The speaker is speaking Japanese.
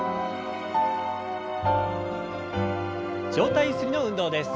上体ゆすりの運動です。